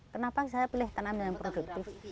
kenapa saya pilih tanaman yang produktif